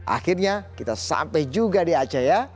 akhirnya kita sampai juga di aceh ya